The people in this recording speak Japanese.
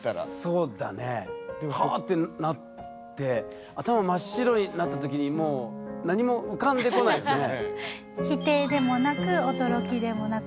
そうだねわってなって頭真っ白になったときにもう何も浮かんでこないですよね。